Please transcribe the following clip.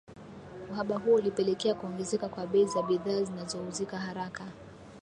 uhaba huo ulipelekea kuongezeka kwa bei za bidhaa zinazo uzika haraka